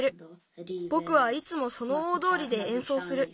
ぼくはいつもその大どおりでえんそうする。